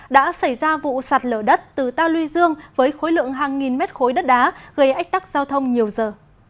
đã xảy ra vụ sạt lở đất từ ta luy dương với khối lượng hàng nghìn mét khối đất đá gây ách tắc giao thông nhiều giờ